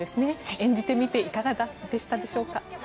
演じてみていかがでしたでしょうか。